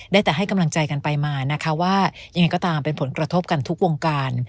ได้แต่ให้กำลังใจกันไปมานะคะว่ายังไงก็ตามเป็นผลกระทบกันทุกวงการ